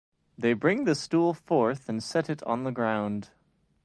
They bring the stool forth and set it on the ground.